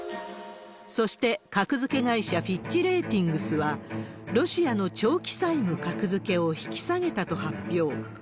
そして格付け会社、フィッチ・レーティングスは、ロシアの長期債務格付けを引き下げと発表。